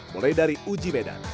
mulai dari uji medan